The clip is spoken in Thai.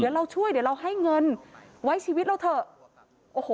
เดี๋ยวเราช่วยเดี๋ยวเราให้เงินไว้ชีวิตเราเถอะโอ้โห